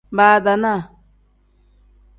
Badaanaa.